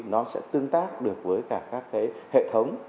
nó sẽ tương tác được với cả các cái hệ thống